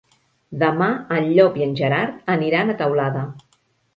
Demà en Llop i en Gerard aniran a Teulada.